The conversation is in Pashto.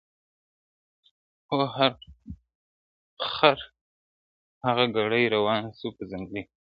خر هغه ګړی روان سو په ځنګله کي.!